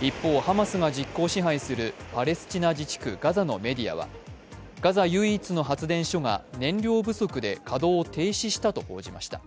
一方、ハマスが実効支配するパレスチナ自治区ガザのメディアはガザ唯一の発電所が燃料不足で稼働を停止したと報じました。